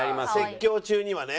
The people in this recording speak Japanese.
説教中にはね。